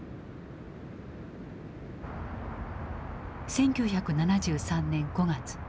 １９７３年５月。